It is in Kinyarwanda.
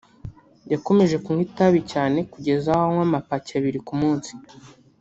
yakomeje kunywa itabi cyane kugeza aho anywa amapaki abiri ku munsi